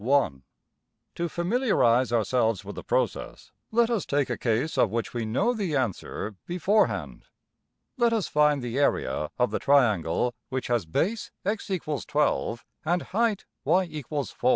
(1) To familiarize ourselves with the process, let us take a case of which we know the answer beforehand. Let us find the area of the triangle (\Fig), which has base $x = 12$ and height $y = 4$.